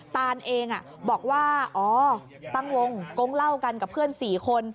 ตานเองบอกว่าอ๋อตั้งวงกงเล่ากันกับเพื่อน๔คน